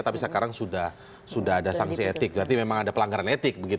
tapi sekarang sudah ada sanksi etik berarti memang ada pelanggaran etik